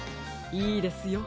いいですよ。